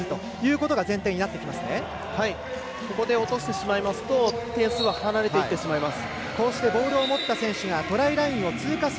ここで落としてしまいますと、点数は離れていてしまいます。